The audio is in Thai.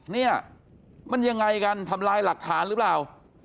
เนี่ยมันยังไงกันทำลายหลักฐานหรือเปล่า